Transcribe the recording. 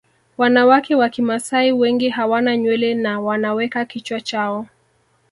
Wanawake wa Kimasai wengi hawana nywele na wanaweka kichwa chao